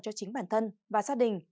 cho chính bản thân và gia đình